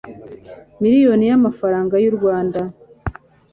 miliyoni y amafaranga y u Rwanda